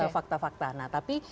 fakta fakta nah tapi